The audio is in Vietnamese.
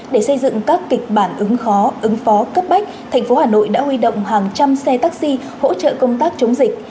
để xây dựng các kịch bản ứng khó ứng phó cấp bách thành phố hà nội đã huy động hàng trăm xe taxi hỗ trợ công tác chống dịch